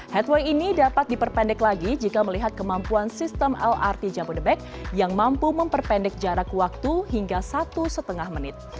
headway ini dapat diperpendek lagi jika melihat kemampuan sistem lrt jabodebek yang mampu memperpendek jarak waktu hingga satu lima menit